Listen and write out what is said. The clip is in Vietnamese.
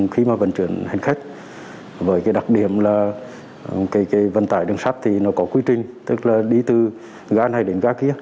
khi mà vận chuyển hành khách với cái đặc điểm là cái vận tải đường sắt thì nó có quy trình tức là đi từ ga này đến ga kia